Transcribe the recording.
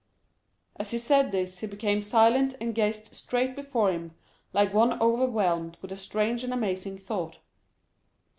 As he said this, he became silent and gazed straight before him like one overwhelmed with a strange and amazing thought.